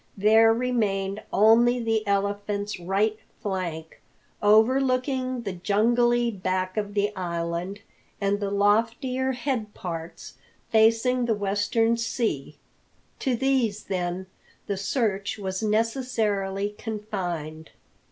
There remained only the Elephant's right flank overlooking the jungly back of the island and the loftier head parts facing the western sea. To these, then, the search was necessarily confined.